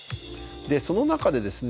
その中でですね